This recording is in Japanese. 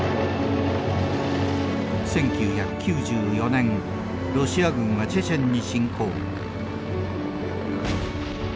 １９９４年ロシア軍はチェチェンに侵攻。